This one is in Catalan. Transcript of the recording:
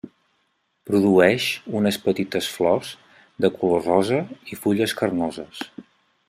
Produeix unes petites flors de color rosa i fulles carnoses.